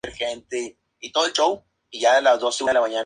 Los conciertos de música popular se dan en el Louisville Palace.